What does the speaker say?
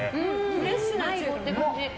フレッシュなイチゴって感じ。